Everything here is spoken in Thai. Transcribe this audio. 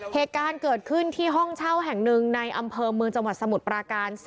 เหตุการณ์เกิดขึ้นที่ห้องเช่าแห่งหนึ่งในอำเภอเมืองจังหวัดสมุทรปราการ